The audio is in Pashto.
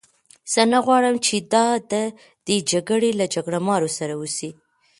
زه نه غواړم چې دا د دې جګړې له جګړه مارو سره وه اوسي.